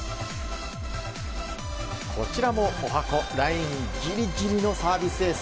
こちらも十八番ラインぎりぎりのサービスエース。